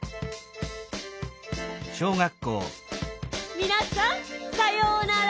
みなさんさようなら。